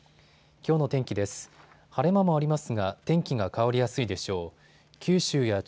きょうの天気です。